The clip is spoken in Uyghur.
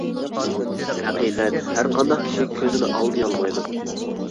ھەقىقەت ھەر قانداق كىشى كۆزىنى ئالدىيالمايدۇ.